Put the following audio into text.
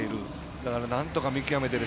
だから、なんとか見極めている。